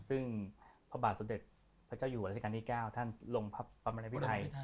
ซึ่งพระบาทสมเด็จพระเจ้าอยู่หัวราชการที่๙ท่านลงพระบรมพิไทย